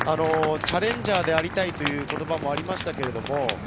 チャレンジャーでありたいという言葉もありました。